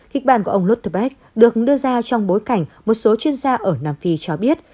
kịch bản của ông louterbeck được đưa ra trong bối cảnh một số chuyên gia ở nam phi cho biết